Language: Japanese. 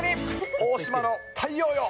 大島の太陽よ。